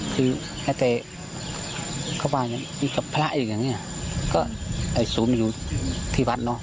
คือแม่เทก็ว่าอยู่กับพระอีกอย่างเนี่ยก็ไอ้ศูนย์มีอยู่ที่วัดเนาะ